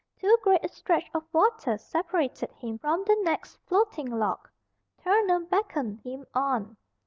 Too great a stretch of water separated him from the next floating log. Turner beckoned him on.